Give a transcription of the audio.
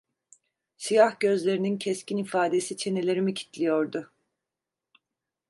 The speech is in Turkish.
Siyah gözlerinin keskin ifadesi çenelerimi kilitliyordu.